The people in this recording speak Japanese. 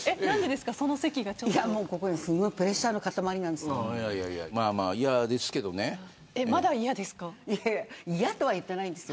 すごいプレッシャーの塊なんですよ。